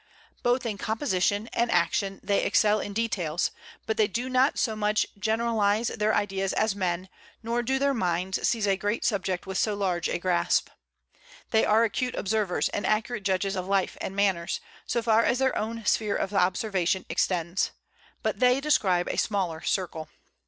Both in composition and action they excel in details; but they do not so much generalize their ideas as men, nor do their minds seize a great subject with so large a grasp. They are acute observers, and accurate judges of life and manners, so far as their own sphere of observation extends; but they describe a smaller circle.